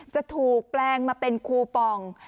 จะถูกแปลงมาเป็นคูปอง